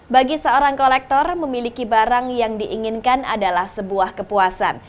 bagi seorang kolektor memiliki barang yang diinginkan adalah sebuah kepuasan